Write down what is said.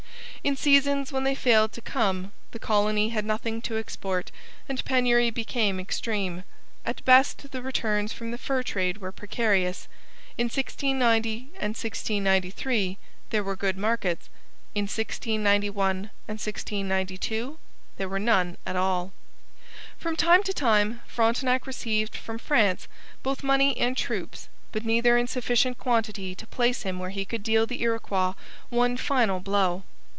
In seasons when they failed to come, the colony had nothing to export and penury became extreme. At best the returns from the fur trade were precarious. In 1690 and 1693 there were good markets; in 1691 and 1692 there were none at all. From time to time Frontenac received from France both money and troops, but neither in sufficient quantity to place him where he could deal the Iroquois one final blow.